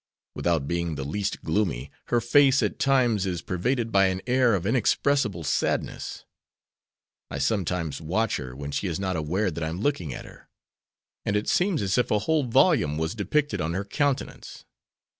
Without being the least gloomy, her face at times is pervaded by an air of inexpressible sadness. I sometimes watch her when she is not aware that I am looking at her, and it seems as if a whole volume was depicted on her countenance.